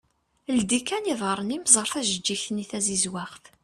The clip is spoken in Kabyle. Ldi kan iḍarren-im ẓer tajeğğigt-nni tazizwaɣt.